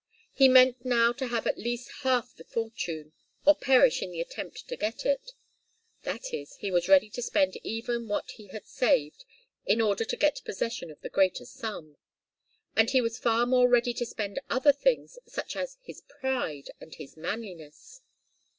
He meant now to have at least half the fortune, or perish in the attempt to get it. That is, he was ready to spend even what he had saved, in order to get possession of the greater sum. And he was far more ready to spend other things, such as his pride and his manliness.